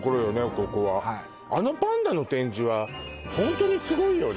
ここはあのパンダの展示はホントにすごいよね